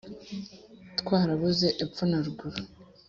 twarabuze epfo na ruguru